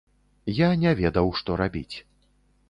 Я не ведаў, што рабіць.